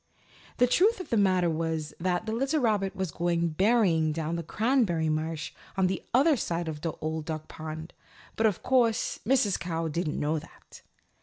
The truth of the matter was that the little rabbit was going berrying down in the Cranberry Marsh on the other side of the Old Duck Pond, but of course Mrs. Cow didn't know that.